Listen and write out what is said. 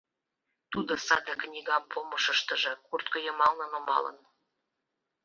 Тудо саде книгам помыштыжо, куртко йымалне нумалын.